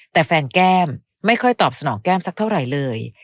แต่แฟนแก้มไม่ค่อยตอบสนองแก้มสักเท่าไหร่เลย